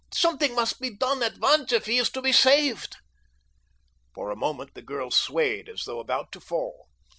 Something must be done at once if he is to be saved." For a moment the girl swayed as though about to fall.